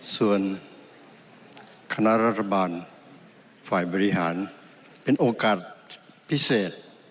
ส่วนคณะรัฐบาลฝ่ายบริหารเป็นโอกาสพิเศษ